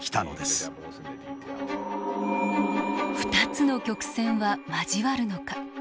２つの曲線は交わるのか。